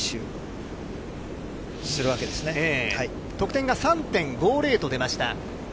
得点が３．５０と出ました。